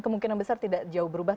kemungkinan besar tidak jauh berubah